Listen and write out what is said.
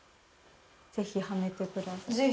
ぜひはめてください。